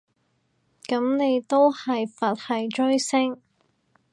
噉你都係佛系追星